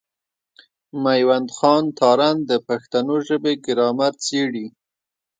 مېوند خان تارڼ د پښتو ژبي ګرامر څېړي.